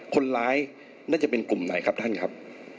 คนร้ายน่าจะเป็นกลุ่มไหนครับท่านครับ